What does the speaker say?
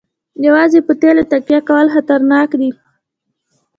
یوازې په تیلو تکیه کول خطرناک دي.